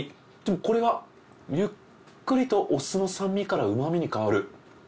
これがゆっくりとお酢の酸味から旨みに変わる。